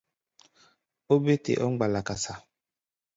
Ó bé te ɔ́ mbala-kasa.